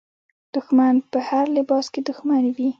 دښمن په هر لباس کې دښمن وي.